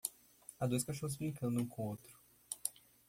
Há dois cachorros brincando um com o outro.